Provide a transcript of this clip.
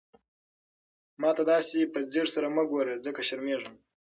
ما ته داسې په ځير سره مه ګوره، ځکه شرمېږم.